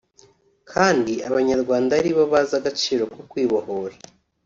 kandi Abanyarwanda ari bo bazi agaciro ko Kwibohora